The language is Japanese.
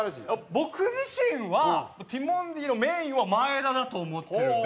僕自身はティモンディのメインは前田だと思ってるんで。